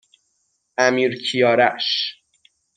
امیرکیارش